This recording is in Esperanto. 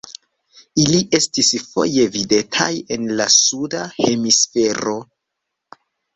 Ili estis foje vidataj en la suda hemisfero.